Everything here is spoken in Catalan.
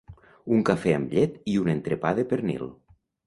Un cafè amb llet i un entrepà de pernil.